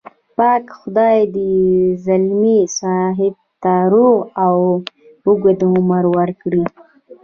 پاک خدای دې ځلمي صاحب ته روغ او اوږد عمر ورکړي.